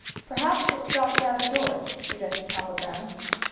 "Perhaps it dropped out of doors," suggested Papa Brown.